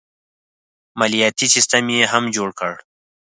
مالیاتي سیستم یې هم جوړ کړ.